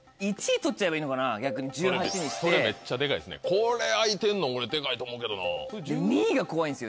これ開いてるの俺デカいと思うけどな。